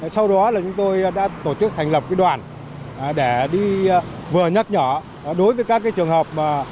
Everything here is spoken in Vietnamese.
sau đó là chúng tôi đã tổ chức thành lập đoàn để đi vừa nhắc nhở đối với các trường hợp